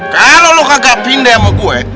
kalau lo kakak pindah sama gue